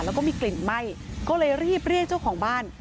แล้วก็มีกลิ่นไหม้ก็เลยรีบเรียกเจ้าของบ้าน